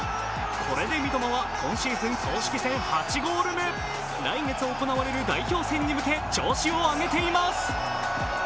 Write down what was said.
これで三笘は今シーズン８ゴール目来月行われる代表選に向け調子を上げています。